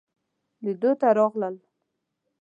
لیدلو ته راغلل.